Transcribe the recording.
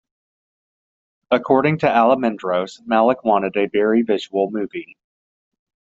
According to Almendros, Malick wanted a very visual movie.